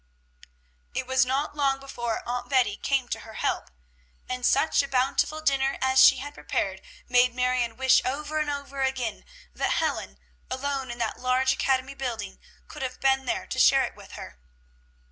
It was not long before Aunt Betty came to her help, and such a bountiful dinner as she had prepared made Marion wish over and over again that Helen, alone in that large academy building, could have been there to share it with her.